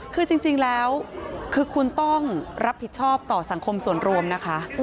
คือจริงแล้วคือคุณต้องรับผิดชอบต่อสังคมส่วนรวมนะคะ